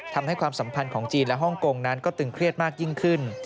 ความสัมพันธ์ของจีนและฮ่องกงนั้นก็ตึงเครียดมากยิ่งขึ้น